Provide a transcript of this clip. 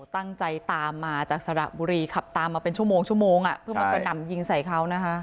ตั้งใจตามมาจากสระบุรีขับตามมาเป็นชั่วโมงอ่ะเพื่อมันก็นำยิงใส่เขานะคะ